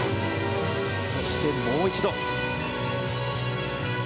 そして、もう一度。